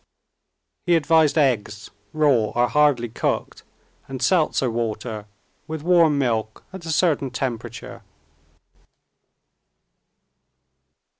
He advised eggs, raw or hardly cooked, and seltzer water, with warm milk at a certain temperature.